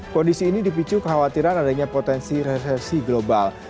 kondisi ini dipicu kekhawatiran adanya potensi resesi global